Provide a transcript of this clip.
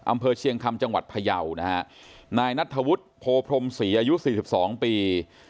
อำเภอเชียงคำจังหวัดพยาวนะฮะนายนัทธวุฒิโพพรมศรีอายุสี่สิบสองปี